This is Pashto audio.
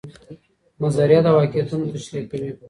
نظریه د واقعیتونو تشریح کوي.